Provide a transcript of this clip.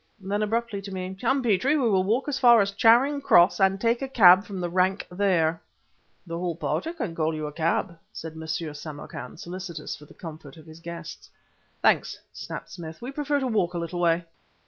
Then, abruptly, to me: "Come, Petrie, we will walk as far as Charing Cross and take a cab from the rank there." "The hall porter can call you a cab," said M. Samarkan, solicitous for the comfort of his guests. "Thanks," snapped Smith; "we prefer to walk a little way."